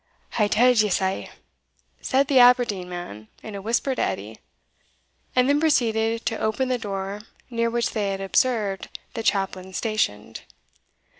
"I tell'd ye sae," said the Aberdeen man in a whisper to Edie, and then proceeded to open the door near which they had observed the chaplain stationed.